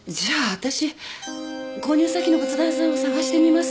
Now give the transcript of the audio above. わたし購入先の仏壇屋さんを捜してみますね。